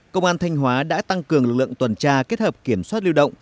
công an thanh hóa đã tăng cường lực lượng tuần tra kết hợp kiểm soát lưu động